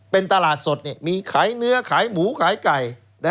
เป็นตลาดสดมีขายเนื้อขายหมูขายไก่